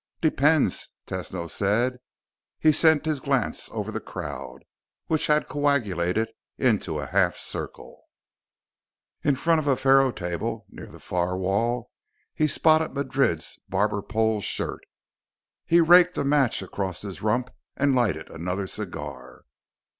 "Depends," Tesno said. He sent his glance over the crowd, which had coagulated into a half circle. In front of a faro table near the far wall, he spotted Madrid's barber pole shirt. He raked a match across his rump and lighted another cigar.